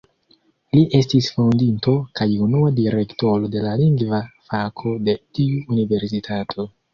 Li estis fondinto kaj unua Direktoro de la Lingva Fako de tiu universitato.